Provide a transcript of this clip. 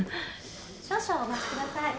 ・少々お待ちください。